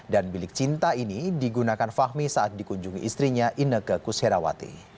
dan bilik cinta ini digunakan fahmi saat dikunjungi istrinya inegge kusherawati